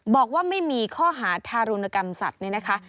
บอกว่าไม่มีข้อหาทารุณกรรมสัตว์เนี่ยนะคะ